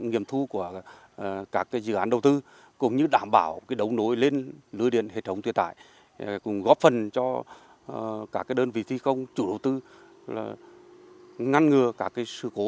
nghiệp thu của các dự án đầu tư đảm bảo đấu nối lên lưới điện hệ thống truyền tải góp phần cho đơn vị thi công chủ đầu tư ngăn ngừa các sự cố